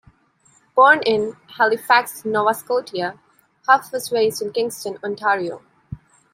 Born in Halifax, Nova Scotia, Huff was raised in Kingston, Ontario.